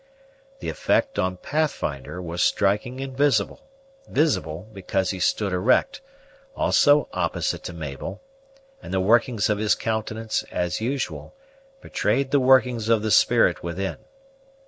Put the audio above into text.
The effect on Pathfinder was striking and visible: visible, because he stood erect, also opposite to Mabel; and the workings of his countenance, as usual, betrayed the workings of the spirit within.